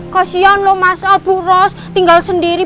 kalau belum kamu tidak ehwang yang vitalis dengan aku